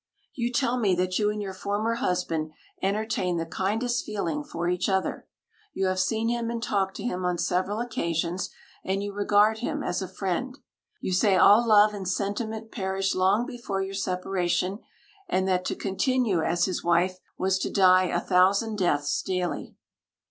You tell me that you and your former husband entertain the kindest feeling for each other. You have seen him and talked with him on several occasions, and you regard him as a friend. You say all love and sentiment perished long before your separation, and that to continue as his wife was to die a thousand deaths daily.